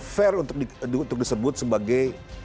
fair untuk disebut sebagai